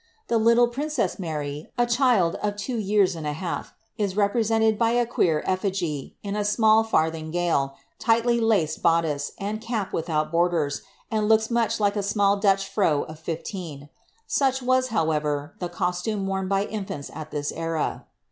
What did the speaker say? The little princess Mary, a child of two years and a half, is represented by a queer effigy, in a small &rthin ffale, tightly laced boddice, and cap without borders, and looks much like a small Dutch frow of fifleen. Such was, however, the costume worn by the infants at this era.